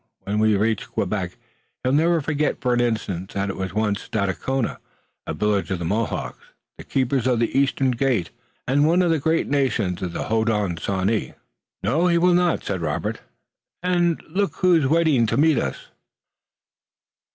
When we reach Quebec he'll never forget for an instant that it was once Stadacona, a village of the Mohawks, the Keepers of the Eastern Gate, and one of the great nations of the Hodenosaunee." "No, he will not," said Robert, "and look who is waiting to meet us!"